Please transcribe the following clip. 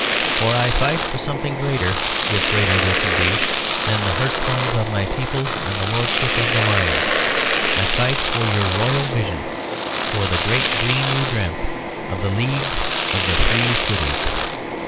For I fight for something greater, if greater there can be, than the hearthstones of my people and the Lordship of the Lion. I fight for your royal vision, for the great dream you dreamt of the League of the Free Cities.